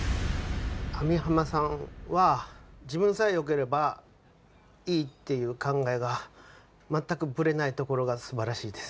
網浜さんは自分さえよければいいっていう考えが全くブレないところがすばらしいです。